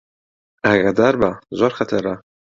ئاگادار بە، زۆر خەتەرە